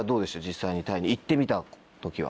実際にタイに行ってみた時は。